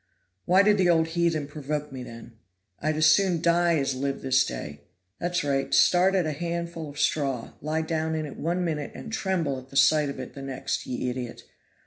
Why did the old heathen provoke me, then? I'd as soon die as live this day. That's right, start at a handful of straw; lie down in it one minute and tremble at the sight of it the next, ye idiot.